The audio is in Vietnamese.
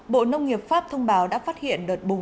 bộ nông nghiệp pháp thông báo đã phát hiện đợt bùng phát